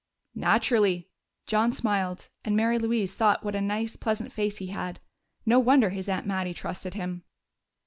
"Naturally." John smiled, and Mary Louise thought what a nice, pleasant face he had. No wonder his aunt Mattie trusted him!